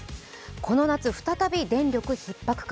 この夏、再び電力ひっ迫か。